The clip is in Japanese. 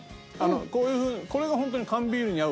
こういうこれがホントに缶ビールに合うお弁当。